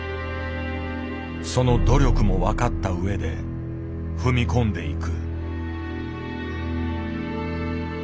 その努力も分かった上で踏み込んでいく。